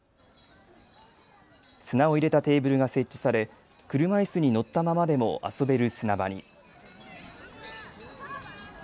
砂を入れたテーブルが設置され車いすに乗ったままでも遊べる砂場に。